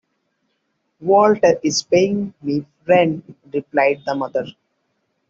“Walter is paying me rent,” replied the mother.